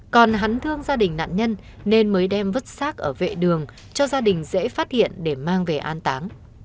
còn hắn thương gia đình nạn nhân nên mới đem vứt xác ở vệ đường cho gia đình dễ phát hiện để mang về an táng